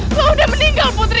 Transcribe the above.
enggak lo udah meninggal putri